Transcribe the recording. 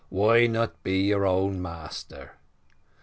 Why not be your own master?